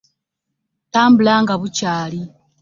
Tambula nga bukyaali!